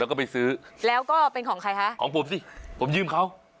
แล้วก็ไปซื้อแล้วก็เป็นของใครคะของผมสิผมยืมเขา